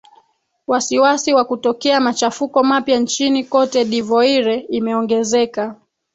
wasiwasi wa kutokea machafuko mapya nchini cote de voire imeongezeka